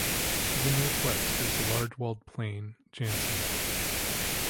To the northwest is the large walled plain Janssen.